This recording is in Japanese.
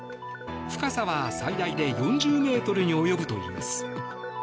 深さは最大で４０ｍに及ぶといいます。